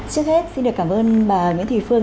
trước hết xin được cảm ơn bà nguyễn thị phương